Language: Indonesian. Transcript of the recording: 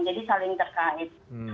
jadi saling terkait